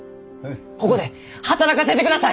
ここで働かせてください！